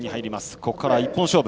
ここからは１本勝負。